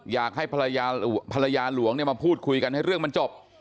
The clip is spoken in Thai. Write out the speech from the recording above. อยากให้ภรรยาหลวงมาพูดคุยกันให้เรื่องมันจบ